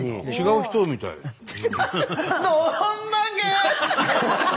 違う人みたいって。